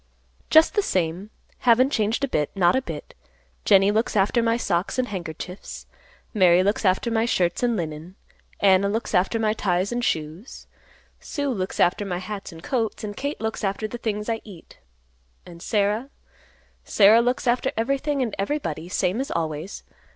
"Just the same; haven't changed a bit; not a bit. Jennie looks after my socks and handkerchiefs; Mary looks after my shirts and linen; Anna looks after my ties and shoes; Sue looks after my hats and coats; and Kate looks after the things I eat; and Sarah, Sarah looks after everything and everybody, same as always.